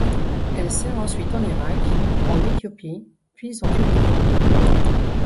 Elle sert ensuite en Irak, en Ethiopie, puis en Turquie.